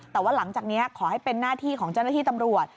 แต่ว่าหลังจากนี้ขอให้เป็นหน้าที่ของเจ้าหน้าที่ตำรวจ